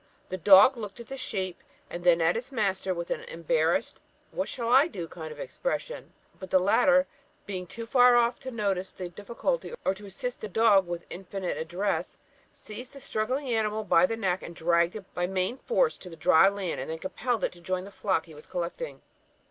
The dog looked at the sheep and then at its master with an embarrassed, what shall I do kind of expression; but the latter, being too far off to notice the difficulty or to assist, the dog, with infinite address, seized the struggling animal by the neck, and dragged it by main force to the dry land, and then compelled it to join the flock he was collecting."